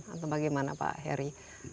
atau bagaimana pak heri